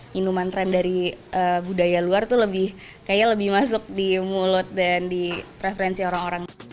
minuman tren dari budaya luar tuh lebih kayaknya lebih masuk di mulut dan di preferensi orang orang